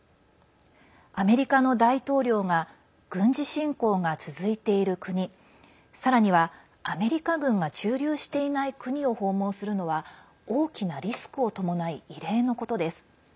アメリカの大統領が軍事侵攻が続いている国さらには、アメリカ軍が駐留していない国を訪問するのは大きなリスクを伴い異例のことです。